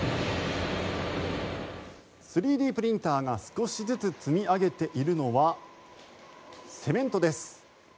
３Ｄプリンターが少しずつ積み上げているのはセメントです。